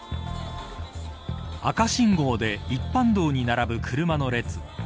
赤信号で一般道に並ぶ車の列。